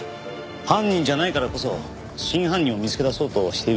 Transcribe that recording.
犯人じゃないからこそ真犯人を見つけ出そうとしているのではないでしょうか。